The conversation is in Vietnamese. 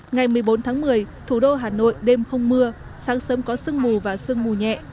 ngày một mươi bốn tháng một mươi thủ đô hà nội đêm không mưa sáng sớm có sương mù và sương mù nhẹ